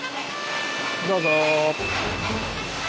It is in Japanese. どうぞ！